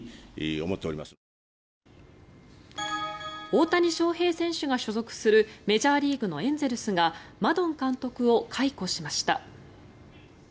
大谷翔平選手が所属するメジャーリーグのエンゼルスがマドン監督を解雇しました。